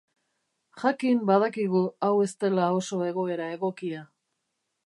Jakin badakigu hau ez dela oso egoera egokia.